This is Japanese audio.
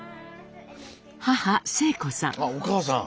あお母さん！